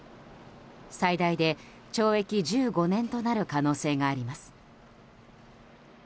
最大で懲役１５年となる可能性があります。